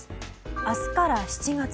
明日から７月。